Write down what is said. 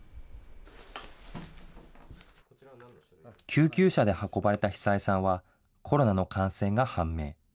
救急車で運ばれた久枝さんは、コロナの感染が判明。